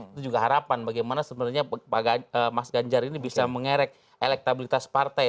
itu juga harapan bagaimana sebenarnya mas ganjar ini bisa mengerek elektabilitas partai